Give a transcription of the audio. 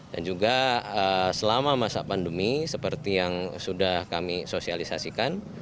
dan juga selama masa pandemi seperti yang sudah kami sosialisasikan